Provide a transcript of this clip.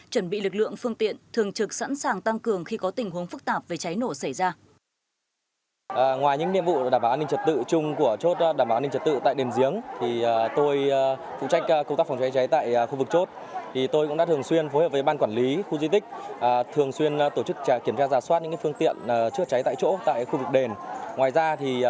chuẩn bị lực lượng phương tiện thường trực sẵn sàng tăng cường khi có tình huống phức tạp về cháy nổ xảy ra